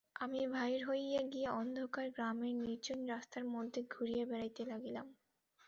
আমি বাহির হইয়া গিয়া অন্ধকারে গ্রামের নির্জন রাস্তার মধ্যে ঘুরিয়া বেড়াইতে লাগিলাম।